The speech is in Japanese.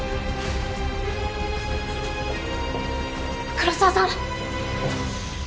黒澤さん！？